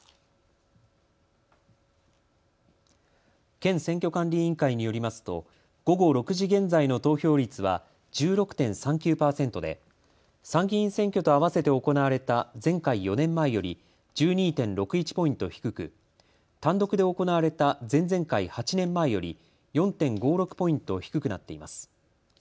県選挙管理委員会によりますと午後６時現在の投票率は１６．３９％で参議院選挙とあわせて行われた前回４年前より１２．６１ポイント低く単独で行われた前々回８年前より４．５６ポイント低くなっています。